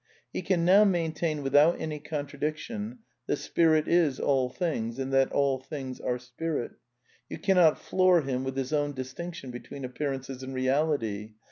I He can now maintain without any contradiction that Spirit is all things, and that all things are Spirit. You cannot floor him with his own distinction between ap pearances and reality.